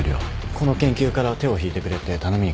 この研究から手を引いてくれって頼みに来たんだ。